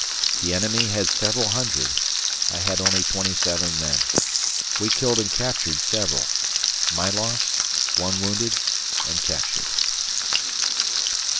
The enemy had several hundred. I had only 27 men. We killed and captured several. My loss: one wounded and captured.